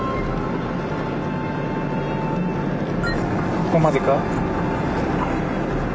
ここまでか。